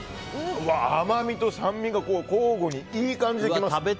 甘みと酸味が交互にいい感じできます。